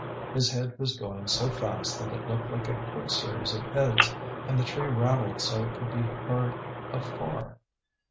His head was going so fast that it looked like a quick series of heads and the tree rattled so it could be heard afar.